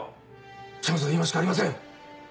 チャンスは今しかありません。